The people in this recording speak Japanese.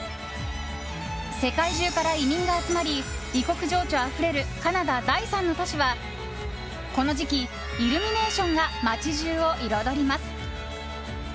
世界中から移民が集まり異国情緒あふれるカナダ第３の都市はこの時期、イルミネーションが街中を彩ります。